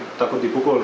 oh takut dipukul